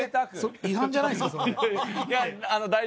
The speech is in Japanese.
違反じゃないですか？